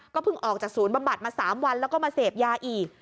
เพิ่งออกจากศูนย์บำบัดมา๓วันแล้วก็มาเสพยาอีก